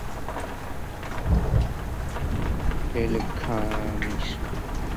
ლელქაშის ზოგი სახეობა სამკურნალოა და აშენებენ ინდოეთში, აფრიკასა და ავსტრალიაში.